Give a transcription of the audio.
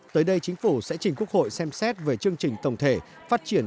tới đây chính phủ sẽ trình quốc hội xem xét về chương trình tổng thể phát triển